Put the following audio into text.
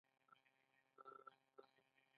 والټر مویلي وایي د کتابونو المارۍ د شخص پېژندنه ده.